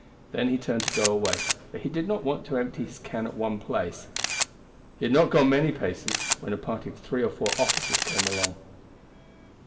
Then he turned to go away, for he did not want to empty his can at one place. He had not gone many paces when a party of three or four officers came along.